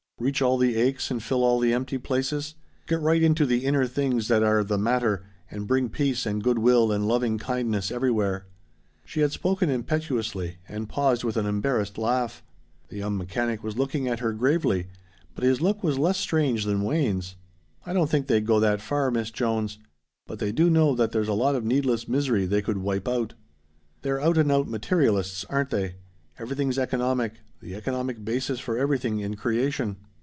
Reach all the aches and fill all the empty places? Get right into the inner things that are the matter and bring peace and good will and loving kindness everywhere?" She had spoken impetuously, and paused with an embarrassed laugh. The young mechanic was looking at her gravely, but his look was less strange than Wayne's. "I don't think they'd go that far, Miss Jones. But they do know that there's a lot of needless misery they could wipe out." "They're out and out materialists, aren't they? Everything's economic the economic basis for everything in creation.